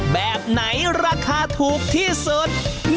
แบบไหนราคาถูกที่สุด